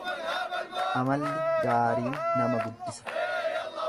Amalli gaariin nama guddisa.